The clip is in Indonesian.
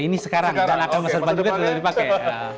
ini sekarang dan akan masa depan juga sudah dipakai